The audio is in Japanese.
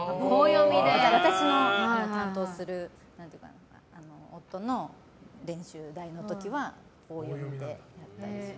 私の担当する夫の練習台の時は棒読みでやったりする。